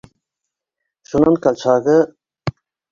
Шунан Колчагы.